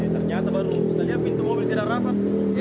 ternyata baru saja pintu mobil tidak rapat